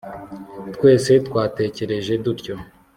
twese twatekereje dutyo